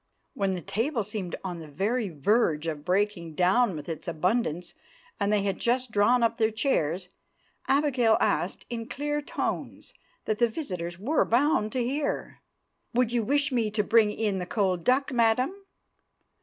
When the table seemed on the very verge of breaking down with its abundance, and they had just drawn up their chairs, Abigail asked in clear tones that the visitors were bound to hear, "Would you wish me to bring in the cold duck, madam?"